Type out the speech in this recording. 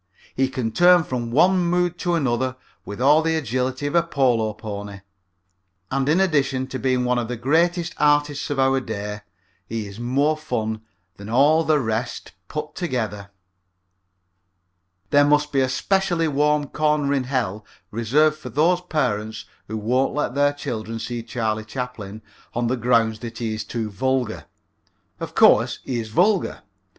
He can turn from one mood to another with all the agility of a polo pony. And in addition to being one of the greatest artists of our day he is more fun than all the rest put together. There must be a specially warm corner in Hell reserved for those parents who won't let their children see Charlie Chaplin on the ground that he is too vulgar. Of course, he is vulgar.